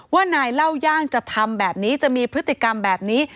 ว่านายเล่าย่างจะทำแบบนี้จะมีพฤติกรรมแบบนี้